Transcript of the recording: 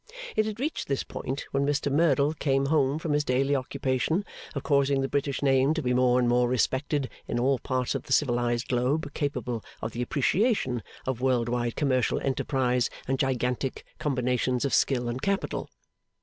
It had reached this point when Mr Merdle came home from his daily occupation of causing the British name to be more and more respected in all parts of the civilised globe capable of the appreciation of world wide commercial enterprise and gigantic combinations of skill and capital.